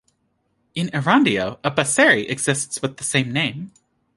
In Erandio, a "baserri" exists with the same name.